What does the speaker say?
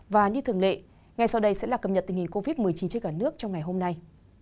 và như thường lệ ngay sau đây sẽ là cập nhật tình hình covid một mươi chín trên cả nước trong ngày hôm nay